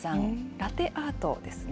ラテアートですね。